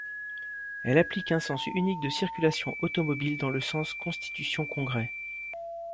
Elle applique un sens unique de circulation automobile dans le sens Constitution-Congrès.